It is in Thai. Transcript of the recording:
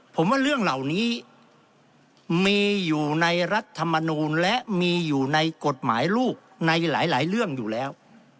ผมว่าเรื่องเหล่านี้มีอยู่ในรัฐมนูลและมีอยู่ในกฎหมายลูกในหลายเรื่องอยู่แล้ว